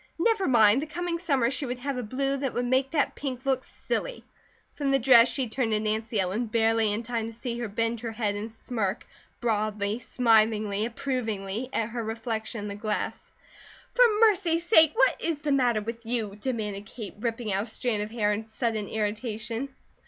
Never mind! The coming summer she would have a blue that would make that pink look silly. From the dress she turned to Nancy Ellen, barely in time to see her bend her head and smirk, broadly, smilingly, approvingly, at her reflection in the glass. "For mercy sake, what IS the matter with you?" demanded Kate, ripping a strand of hair in sudden irritation.